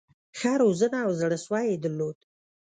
ښه روزنه او زړه سوی یې درلود.